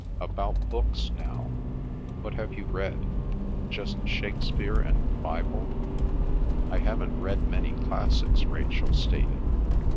"About books now. What have you read? Just Shakespeare and the Bible?" "I haven't read many classics," Rachel stated.